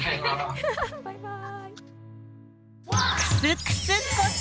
バイバーイ。